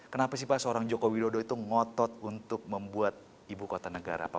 kenapa sih pak seorang joko widodo itu ngotot untuk membuat ibu kota negara pak